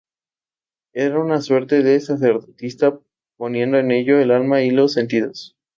Era una suerte de sacerdotisa, poniendo en ello el alma y los sentidos.